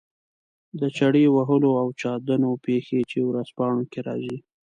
د چړو وهلو او چاودنو پېښې چې ورځپاڼو کې راځي.